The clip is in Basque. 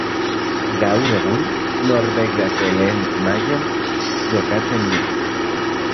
Gaur egun Norvegiako lehen mailan jokatzen du.